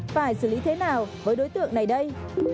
phải xử lý thế nào với đối tượng này đây